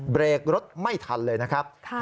เบรกรถไม่ทันเลยนะครับ